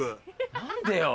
何でよ。